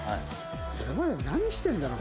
それまで何してるんだろう？